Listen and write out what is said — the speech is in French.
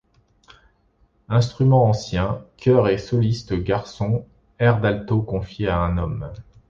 Instruments anciens, chœurs et solistes garçons, airs d’alto confiés à un homme.